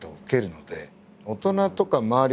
大人とか周り